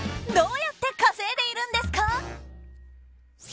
どうやって稼いでいるんですか？